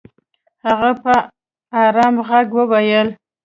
هغه په ارام ږغ وويل.